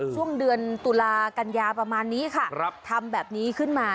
ช่วงเดือนตุลากัญญาประมาณนี้ค่ะทำแบบนี้ขึ้นมา